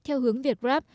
theo hướng việt gáp